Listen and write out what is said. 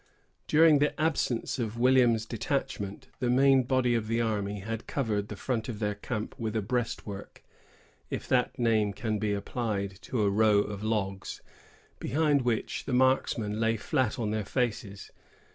During the absence of Williams's detachment, the main body of the army had covered the front of their camp with a breastwork,——if that name can be applied to a row of logs,——behind which the marksmen lay flat on their faces.